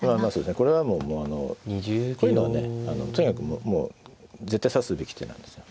これはもうあのこういうのはねとにかくもう絶対指すべき手なんですね。